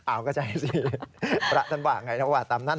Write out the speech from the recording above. อ้าวก็ใช่สิประทันว่าไงนะว่าตามนั้นนะ